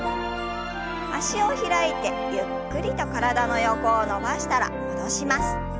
脚を開いてゆっくりと体の横を伸ばしたら戻します。